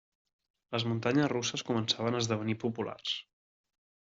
Les muntanyes russes començaven a esdevenir populars.